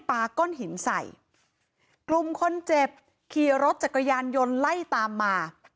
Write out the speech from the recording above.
ปาก้อนหินใส่กลุ่มคนเจ็บขี่รถจักรยานยนต์ไล่ตามมา